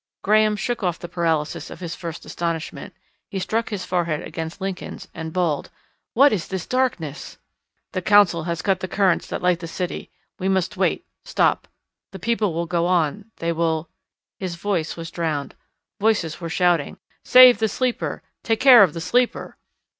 Graham shook off the paralysis of his first astonishment. He struck his forehead against Lincoln's and bawled, "What is this darkness?" "The Council has cut the currents that light the city. We must wait stop. The people will go on. They will " His voice was drowned. Voices were shouting, "Save the Sleeper. Take care of the Sleeper."